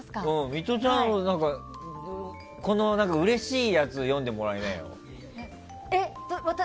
ミトちゃん、うれしいやつ読んでもらいなよ。